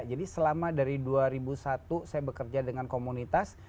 jadi selama dari dua ribu satu saya bekerja dengan komunitas